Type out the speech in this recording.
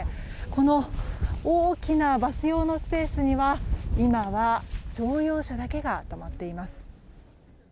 この大きなバス用のスペースには今は乗用車だけが止まっています。